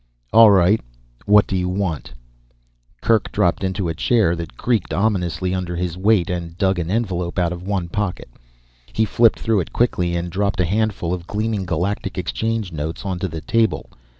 "All right, what do you want?" Kerk dropped into a chair that creaked ominously under his weight, and dug an envelope out of one pocket. He flipped through it quickly and dropped a handful of gleaming Galactic Exchange notes onto the table.